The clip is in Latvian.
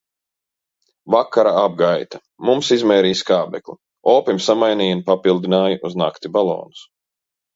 Vakara apgaita, mums izmērīja skābekli, opim samainīja un papildināja uz nakti balonus.